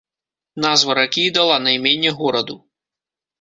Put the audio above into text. Назва ракі і дала найменне гораду.